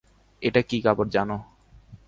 এটা কী কাপড় জানো?